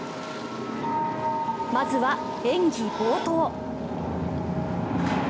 まずは演技冒頭。